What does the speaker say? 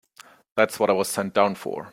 That's what I was sent down for.